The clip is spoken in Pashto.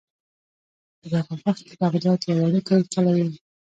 په دغه وخت کې بغداد یو وړوکی کلی و.